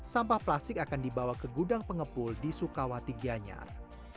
sampah plastik akan dibawa ke gudang pengepul di sukawati gianyar